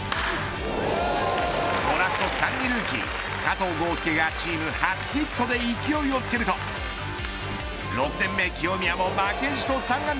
ドラフト３位ルーキー加藤豪将がチーム初ヒットで勢いをつけると６年目清宮も負けじと３安打。